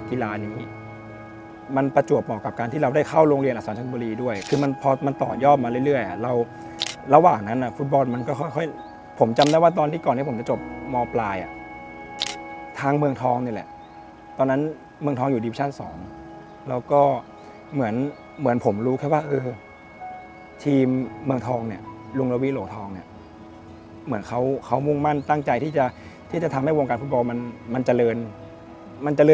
ในกีฬานี้มันประจวบเหมาะกับการที่เราได้เข้าโรงเรียนอัศวรรษมนตรีด้วยคือมันพอมันต่อยอบมาเรื่อยเราระหว่างนั้นนะฟุตบอลมันก็ค่อยผมจำได้ว่าตอนที่ก่อนที่ผมจะจบมปลายอ่ะทางเมืองทองนี่แหละตอนนั้นเมืองทองอยู่ดิวิชั่นสองแล้วก็เหมือนเหมือนผมรู้แค่ว่าเออทีมเมืองทองเนี่ยลุงระวีโหลทองเนี่ยเหมื